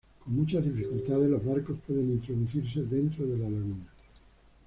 Con muchas dificultades, los barcos pueden introducirse dentro de la laguna.